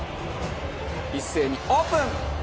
一斉にオープン！